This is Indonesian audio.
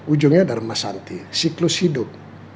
ujungnya dharma shanti siklus hidup